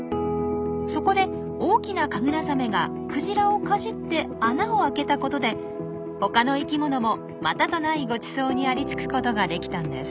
そこで大きなカグラザメがクジラをかじって穴を開けたことでほかの生きものもまたとないごちそうにありつくことができたんです。